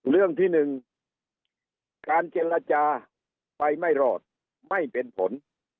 เรื่องที่๑การเจรจาไปไม่รอดไม่เป็นผล